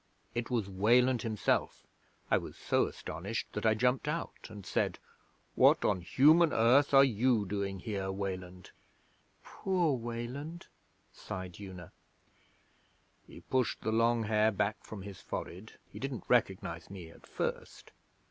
It was Weland himself. I was so astonished that I jumped out and said: "What on Human Earth are you doing here, Weland?"' 'Poor Weland!' sighed Una. 'He pushed the long hair back from his forehead (he didn't recognize me at first).